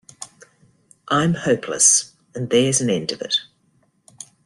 I'm hopeless, and there's an end of it.